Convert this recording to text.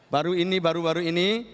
baru ini baru baru ini